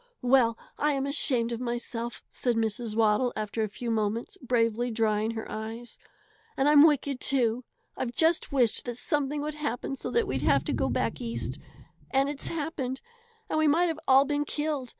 "Well, I am ashamed of myself!" said Mrs. Waddle, after a few moments, bravely drying her eyes. "And I'm wicked, too! I've just wished that something would happen so we'd have to go back East, and it's happened; and we might have all been killed.